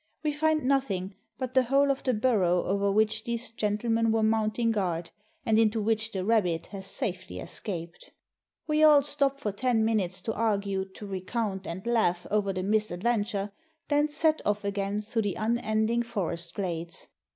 We find nothing but the hole of the burrow over which these gentlemen were mounting guard, and into which the rabbit has safely escaped. We all stop for ten minutes to argue, to recount, and laugh over the misadventure, then set off again through the unending forest glades.